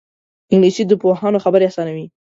انګلیسي د پوهانو خبرې اسانوي